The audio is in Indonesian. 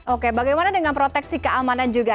oke bagaimana dengan proteksi keamanan juga